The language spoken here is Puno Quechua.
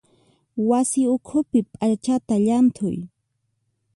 Wasi ukhupi p'achata llanthuy.